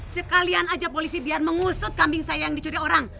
sekalian aja polisi biar mengusut kambing saya yang dicuri orang